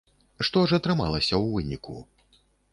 Што ж атрымалася ў выніку?